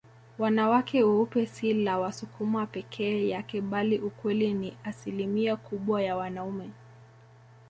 Wanawake weupe si la Wasukuma peke yake bali ukweli ni asimilia kubwa ya wanaume